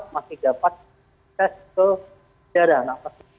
masih dapat akses ke bandara